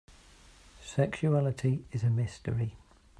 Sexuality is a mystery.